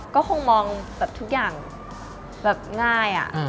ก็คงมองแบบทุกอย่างแบบง่าย